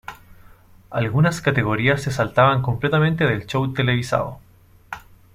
Algunas categorías se saltaban completamente del show televisado.